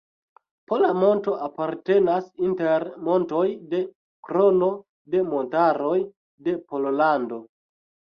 Pola monto apartenas inter montoj de Krono de montaroj de Pollando.